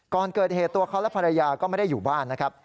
ก่อนเกิดเหตุตัวเขาและภรรยาก็ไม่ได้อยู่บ้านนะครับ